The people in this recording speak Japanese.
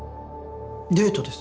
デートです